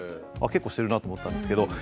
結構してるなあと思ったんですけど。